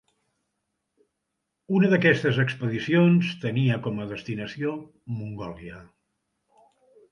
Una d'aquestes expedicions tenia com a destinació Mongòlia.